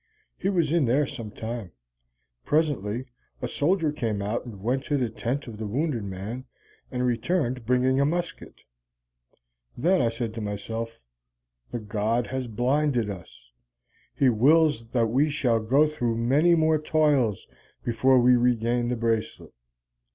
He was in there some time. Presently a soldier came out and went to the tent of the wounded man, and returned bringing a musket. Then I said to myself, 'The god has blinded us. He wills that we shall go through many more toils before we regain the bracelet.'